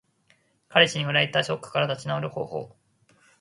彼氏に振られたショックから立ち直る方法。